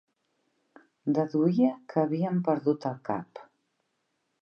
Deduïa que havien perdut el cap.